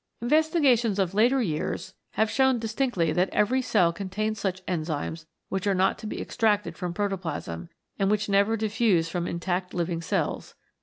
Investigations of later years have shown dis 95 CHEMICAL PHENOMENA IN LIFE tinctly that every cell contains such enzymes which are not to be extracted from protoplasm, and which never diffuse from intact living cells.